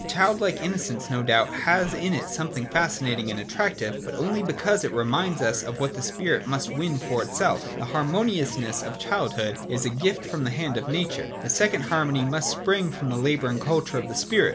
Child like innocence no doubt has in it something fascinating and attractive : but only because it reminds us of what the spirit must win for itself. The harmoniousness of childhood is a gift from the hand of nature : the second harmony must spring from the labour and culture of the spirit.